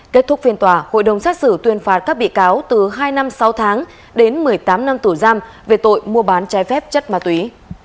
kết thúc phiên tòa hội đồng xét xử tuyên phạt các bị cáo từ hai năm sáu tháng đến một mươi tám năm tù giam về tội mua bán trái phép chất ma túy